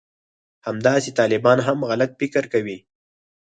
همداسې طالبان هم غلط فکر کوي